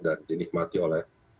dan dinikmati oleh